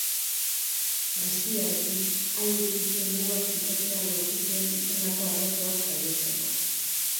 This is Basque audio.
Guztiarekin, haiekin zuen muga finkatzea lortu zuen izandako arazoak saihesteko.